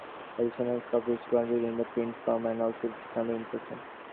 Editions are published quarterly in print form and also electronically on the internet.